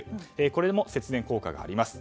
これも節電効果があります。